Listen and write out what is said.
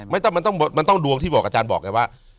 ไม่ต้องมันต้องดวงที่บอกอาจารย์บอกไงว่า